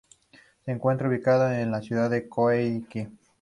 Se encuentra ubicada en la ciudad de Coyhaique.